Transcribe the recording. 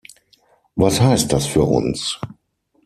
Was heißt das für uns?